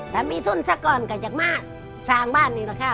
ถ้ามีทุนซะก่อนก็จะมาสร้างบ้านนี่แหละค่ะ